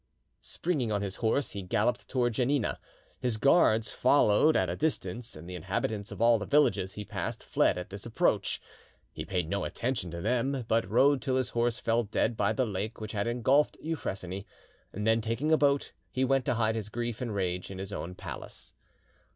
Springing on his horse, he galloped towards Janina. His guards followed at a distance, and the inhabitants of all the villages he passed fled at his approach. He paid no attention to them, but rode till his horse fell dead by the lake which had engulfed Euphrosyne, and then, taking a boat, he went to hide his grief and rage in his own palace.